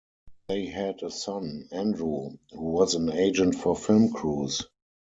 They had a son, Andrew, who was an agent for film crews.